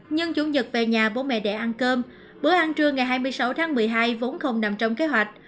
nhân chuẩn nhật về nhà bố mẹ đẻ ăn cơm bữa ăn trưa ngày hai mươi sáu tháng một mươi hai vốn không nằm trong kế hoạch